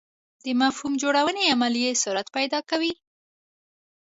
د مفهوم جوړونې عمل یې سرعت پیدا کوي.